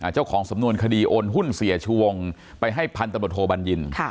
เจ้าของสำนวนคดีโอนหุ้นเสียชูวงไปให้พันตำรวจโทบัญญิน